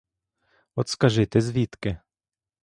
От скажи, ти звідки?